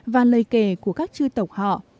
và lời kể của các trư tộc họ